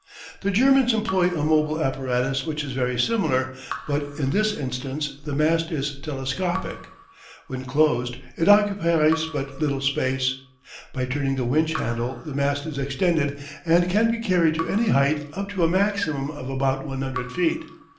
The Germans employ a mobile apparatus which is very similar, but in this instance the mast is telescopic. When closed it occupies but little space. By turning the winch handle the mast is extended, and can be carried to any height up to a maximum of about 100 feet.